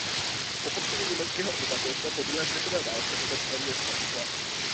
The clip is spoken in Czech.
Po odsunu německého obyvatelstva po druhé světové válce obec téměř zanikla.